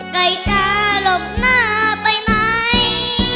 ไก่จะหลบหน้าไปไหน